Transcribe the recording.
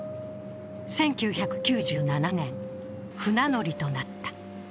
１９９７年、船乗りとなった。